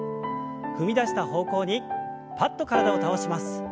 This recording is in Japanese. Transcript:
踏み出した方向にパッと体を倒します。